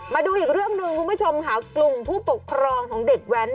มาดูอีกเรื่องหนึ่งคุณผู้ชมค่ะกลุ่มผู้ปกครองของเด็กแว้น